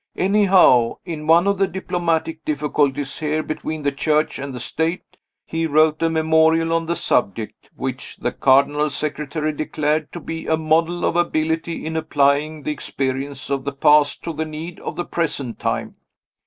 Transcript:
Anyhow, in one of the diplomatic difficulties here between the Church and the State, he wrote a memorial on the subject, which the Cardinal Secretary declared to be a model of ability in applying the experience of the past to the need of the present time.